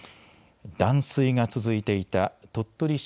断水が続いていた鳥取市